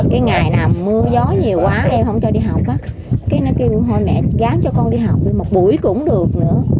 cái ngày nào mưa gió nhiều quá em không cho đi học á cái nó kêu hồi mẹ gán cho con đi học đi một buổi cũng được nữa